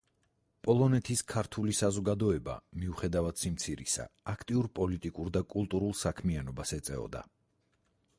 პოლონეთის ქართული საზოგადოება, მიუხედავად სიმცირისა აქტიურ პოლიტიკურ და კულტურულ საქმიანობას ეწეოდა.